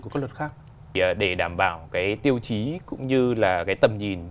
cũng như là cái tầm nhìn